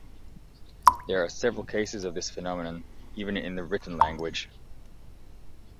There are several cases of this phenomenon even in the written language.